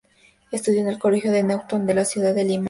Estudió en el Colegio Newton de la ciudad de Lima.